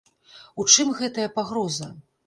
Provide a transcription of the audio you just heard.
У чым гэтая пагроза?